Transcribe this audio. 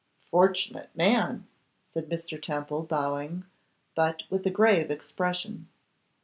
'Fortunate man!' said Mr. Temple, bowing, but with a grave expression.